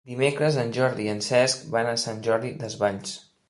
Dimecres en Jordi i en Cesc van a Sant Jordi Desvalls.